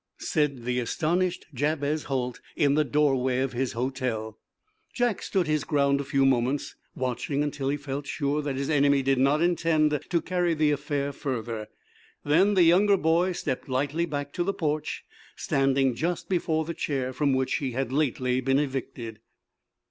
said the astonished Jabez Holt, in the doorway of his hotel. Jack stood his ground a few moments, watching until he felt sure that his enemy did not intend to carry the affair further. Then the younger boy stepped lightly back to the porch, standing just before the chair from which he had lately been evicted.